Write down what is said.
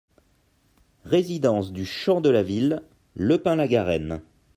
Résidence du Champ de la Ville, Le Pin-la-Garenne